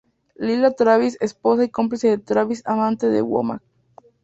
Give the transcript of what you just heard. Lila Travis: Esposa y cómplice de Travis, amante de Womack.